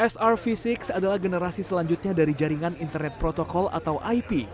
srv enam adalah generasi selanjutnya dari jaringan internet protokol atau ip